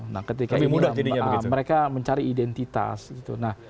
nah ketika ini mereka mencari identitas gitu